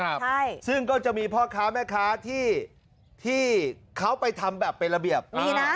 ใช่ซึ่งก็จะมีพ่อค้าแม่ค้าที่ที่เขาไปทำแบบเป็นระเบียบมีนะ